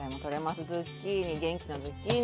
ズッキーニ元気なズッキーニ。